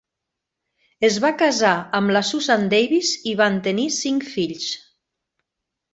Es va casar amb la Susan Davis i van tenir cinc fills.